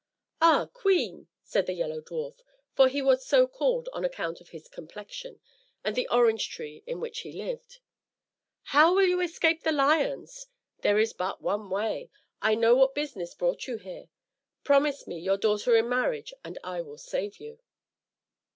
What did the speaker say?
"Ah! queen," said the Yellow Dwarf, for so he was called on account of his complexion, and the orange tree in which he lived, "how will you escape the lions? There is but one way; I know what business brought you here; promise me your daughter in marriage and I will save you."